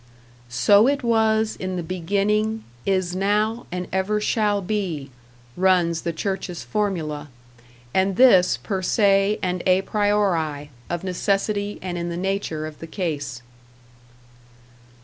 "So it was in the beginning, is now, and ever shall be," runs the church's formula; and this per se and a priori, of necessity and in the nature of the case.